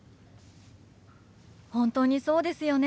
本当にそうですよね。